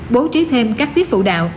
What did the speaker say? bố trí thêm các tiết phụ đạo